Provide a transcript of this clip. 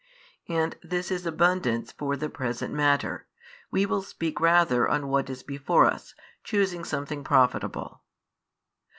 And this is abundance for the present matter, we will speak rather on what is before us, choosing something profitable.